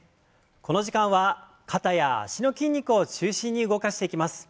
この時間は肩や脚の筋肉を中心に動かしていきます。